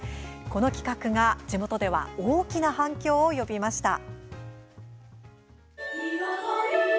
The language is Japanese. この企画が地元では大きな反響を呼びました。